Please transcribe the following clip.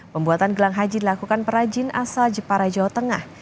pembuatan gelang haji dilakukan perajin asal jepara jawa tengah